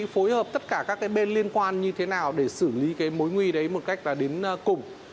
phối hợp tất cả các bên liên quan như thế nào để xử lý cái mối nguy đấy một cách là đến cùng